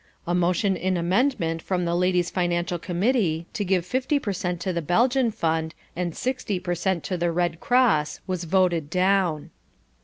A motion in amendment from the ladies' financial committee to give fifty per cent to the Belgian Fund and sixty per cent to the Red Cross was voted down.